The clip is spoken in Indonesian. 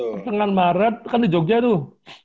pertengahan maret kan di jogja tuh